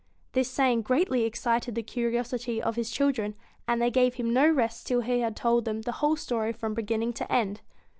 This saying greatly excited the curiosity of his children, and they gave him no rest till he had told them the whole story from beginning to end.